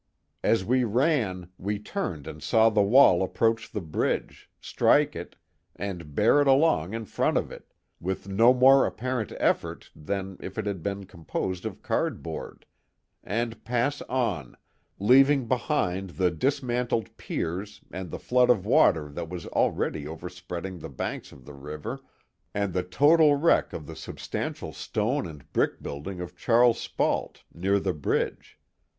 As we ran, wc turned and saw the wall approach the bridge, strike it, and bear it along in front of it, with no more ap parent effort than if it had been composed of cardboard, and pass on, leaving behind the dismantled piers and the flood of water that was already overspreading the banks of the river, and the total wreck of the substantial stone and brick building of Charles Spalt, near the bridge.